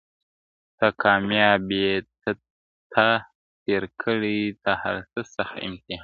ته کامیاب یې تا تېر کړی تر هرڅه سخت امتحان دی,